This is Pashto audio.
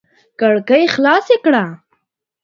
کړکۍ خلاصې کړه!